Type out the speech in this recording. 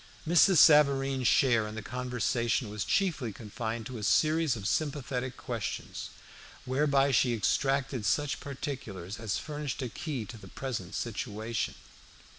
Mrs. Savareen's share in the conversation was chiefly confined to a series of sympathetic questions, whereby she extracted such particulars as furnished a key to the present situation.